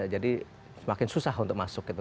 jadi semakin susah untuk masuk gitu